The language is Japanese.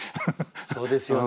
そうですよね。